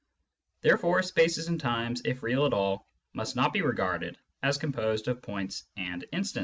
Therefore spaces and times, if real at all, must not be regarded as composed of points and instants.